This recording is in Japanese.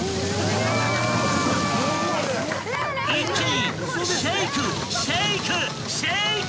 ［一気に］